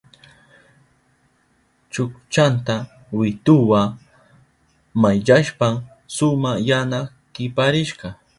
Chukchanta wituwa mayllashpan suma yana kiparishka.